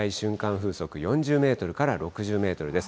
風速４０メートルから６０メートルです。